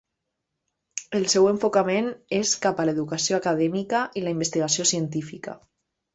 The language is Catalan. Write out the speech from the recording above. El seu enfocament és cap a l'educació acadèmica i la investigació científica.